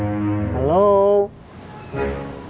terima kasih bos